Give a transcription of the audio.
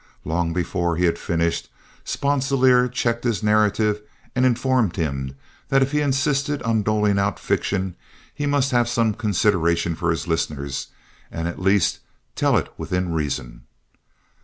Long before he had finished, Sponsilier checked his narrative and informed him that if he insisted on doling out fiction he must have some consideration for his listeners, and at least tell it within reason.